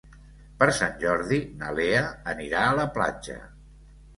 Per Sant Jordi na Lea anirà a la platja.